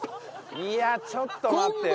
いやちょっと待ってよ。